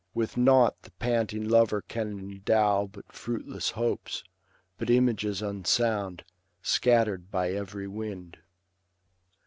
With nought the panting lover can endow But fruitless hopes, but images unsound. Scattered by every wind.